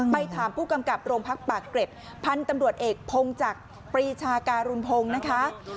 ไปถามผู้กำกับโรงพักปากเกร็ดพันธุ์ตำรวจเอกพงจักรปรีชาการุณพงศ์นะคะ